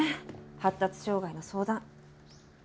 発達障害の相談。